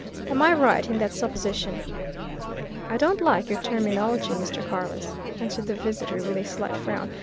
Am I right in that supposition?" "I don't like your terminology, Mr. Carless," answered the visitor with a slight frown.